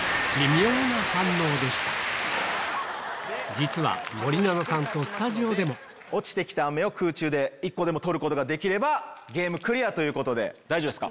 実は森七菜さんとスタジオでも落ちてきたアメを空中で１個でも取ることができればゲームクリアということで大丈夫ですか？